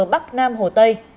bắc nam hồ tây